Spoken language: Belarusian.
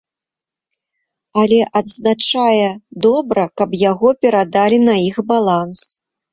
Але, адзначае, добра, каб яго перадалі на іх баланс.